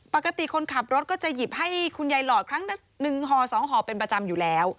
ปกติคนขับรถก็จะหยิบให้คุณยายหลอดครั้งหนึ่งห่อ๒ห่อเป็นประจำอยู่แล้ว